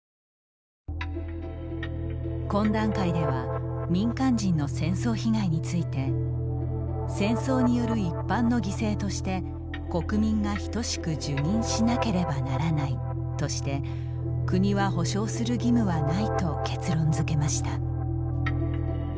懇談会では民間人の戦争被害について「戦争による一般の犠牲として国民が等しく受忍しなければならない」として国は補償する義務はないと結論づけました。